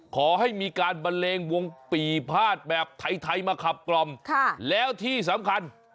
ขอให้มีการบันเลงวงปีภาษแบบไทยมาขับกล่อมแล้วที่สำคัญ